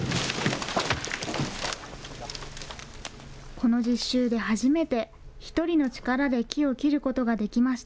この実習で初めて、１人の力で木を切ることができました。